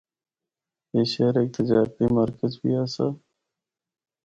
اے شہر ہک تجارتی مرکز بھی آسا۔